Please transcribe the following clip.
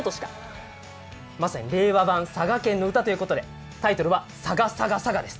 まさに令和版佐賀県の歌ということでタイトルは「さがさがさが」です。